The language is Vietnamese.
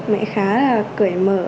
mẹ khá là cởi mở